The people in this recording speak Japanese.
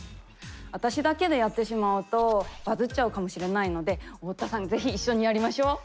私だけでやってしまうとバズっちゃうかもしれないので太田さん是非一緒にやりましょう！